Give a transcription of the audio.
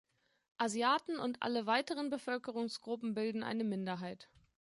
Asiaten und alle weiteren Bevölkerungsgruppen bilden eine Minderheit.